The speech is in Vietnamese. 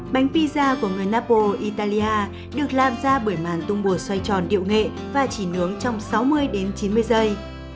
bánh pizza của người napo italia được làm ra bởi màn tung bùa xoay tròn điệu nghệ và chỉ nướng trong sáu mươi đến chín mươi giây